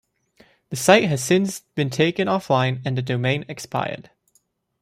The site has since been taken offline and the domain expired.